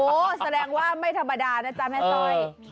แสดงว่าไม่ธรรมดานะจ๊ะแม่สร้อย